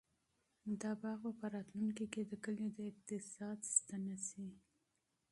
دا باغ به په راتلونکي کې د کلي د اقتصاد ستنه شي.